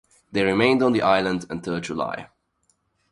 They remained on the island until July.